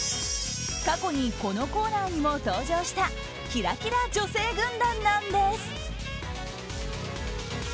過去にこのコーナーにも登場したキラキラ女性軍団なんです。